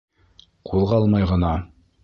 Ҡуҙғалмай ғына: